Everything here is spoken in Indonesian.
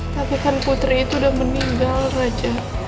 tapi kan putri itu udah meninggal raja